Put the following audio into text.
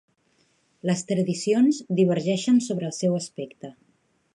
Les tradicions divergeixen sobre el seu aspecte.